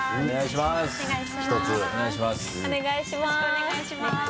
お願いします。